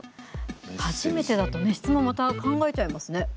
初めてだとね質問もまた、考えちゃいますね。